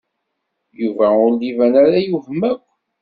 Yuba ur d-iban ara yewhem akk.